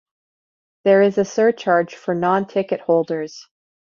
There is a surcharge for non-ticket holders.